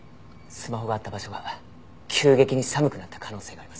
スマホがあった場所が急激に寒くなった可能性があります。